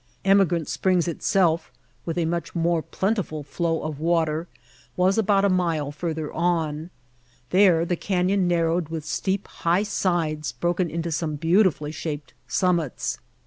Emigrant Springs itself, with a much more plentiful flow of water, was about a mile further on. There the canyon narrowed with steep, high sides broken into some beautifully shaped summits.